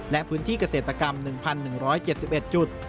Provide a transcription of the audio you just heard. และพื้นที่เกษตรกรรม๑๑๗๑จุด